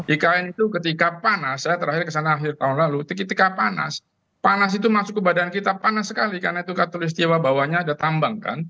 ikn itu ketika panas saya terakhir kesana akhir tahun lalu ketika panas panas itu masuk ke badan kita panas sekali karena itu katolistiwa bawahnya ada tambang kan